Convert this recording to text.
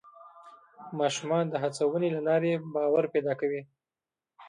ماشومان د هڅونې له لارې باور پیدا کوي